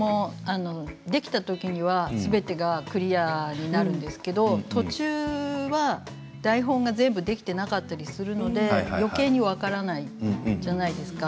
できた時には、すべてがクリアになるんですけれど途中は台本が全部できていなかったりするのでよけいに分からないじゃないですか。